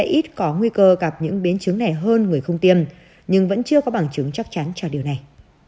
ít có nguy cơ gặp những biến chứng này hơn người không tiêm nhưng vẫn chưa có bằng chứng chắc chắn cho điều này